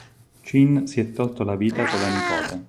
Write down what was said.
Cin si è tolto la vita con la nipote.